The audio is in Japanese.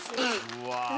うわ。